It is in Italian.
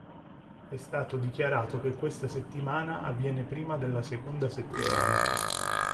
È stato dichiarato che questa settimana avviene prima della seconda settimana.